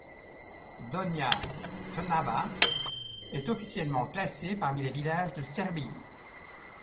Donja Trnava est officiellement classée parmi les villages de Serbie.